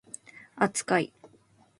扱い